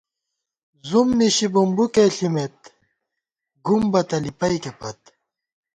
زُوم نِشی بُمبُکے ݪِمېت ، گُمبَتہ لِپَئیکےپت